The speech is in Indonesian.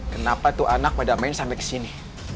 kenapa tuh anak pada main sampai ke sini